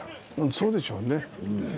そうでしょうね。